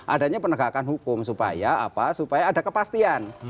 adanya penegakan hukum supaya apa supaya ada kepastian